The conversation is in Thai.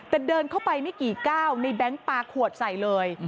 แต่เดินเข้าไปไม่กี่ก้าวในแบงค์ปลาขวดใส่เลย